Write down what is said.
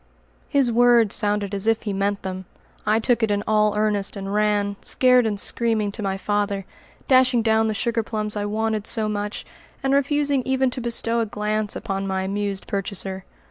His words sounded as if he meant them. I took it all in earnest, and ran, scared and screaming, to my father, dashing down the sugar plums I wanted so much, and refusing even to bestow a glance upon my amused purchaser.